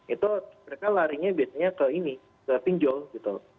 itu mereka larinya biasanya ke ini ke pinjol gitu